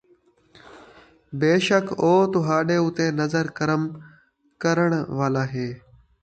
بیشک او تُہاݙے اُتے نظر کرم کرݨ والا تے